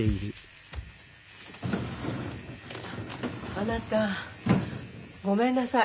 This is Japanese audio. あなたごめんなさい。